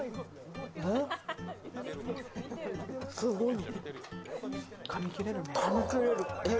すごい！